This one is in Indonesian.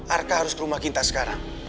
arka harus ke rumah kita sekarang